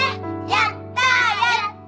やったやった。